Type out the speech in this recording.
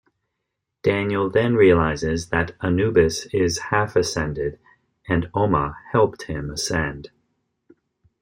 Daniel then realizes that Anubis is half-Ascended, and Oma helped him Ascend.